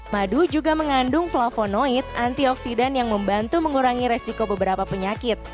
madu juga mengandung flavonoid antioksidan yang membantu mengurangi resiko beberapa penyakit